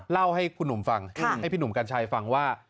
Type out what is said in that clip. เล่าให้คุณหนุ่มฟังให้พี่หนุ่มกัญชัยฟังว่า